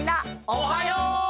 おはよう！